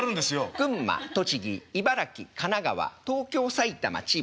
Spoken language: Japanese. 群馬栃木茨城神奈川東京埼玉千葉。